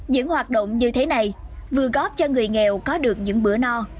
những hoạt động như thế này vừa góp cho người nghèo có được những bữa no